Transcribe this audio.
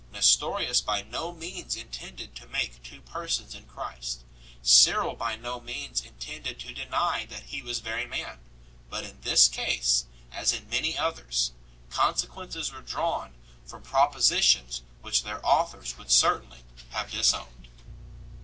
Nestorius by no means intended to make two persons in Christ, Cyril by no means intended to deny that He was Very Man; but in this case, as in many others, consequences were drawn from propositions which their authors would certainly have disowned.